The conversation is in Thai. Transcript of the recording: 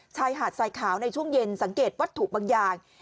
ชายหาดทรายขาวในช่วงเย็นสังเกตวัตถุบางอย่าง